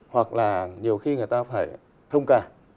hoặc là nhiều khi người ta phải thông cả